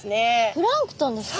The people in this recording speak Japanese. プランクトンですか？